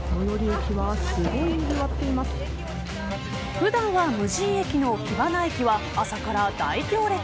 普段は無人駅の木花駅は朝から大行列。